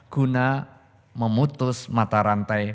guna memutus mata rantai